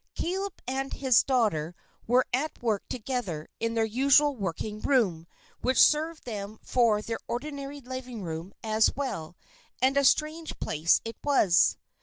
Caleb and his daughter were at work together in their usual working room, which served them for their ordinary living room as well; and a strange place it was.